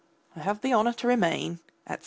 I have the honour to remain, etc.